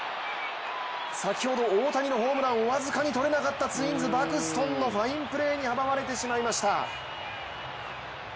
先ほど大谷のホームランを僅かにとれなかったツインズ・バクストンのファインプレーに阻まれてしまいました。